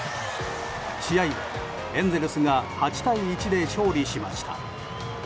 試合はエンゼルスが８対１で勝利しました。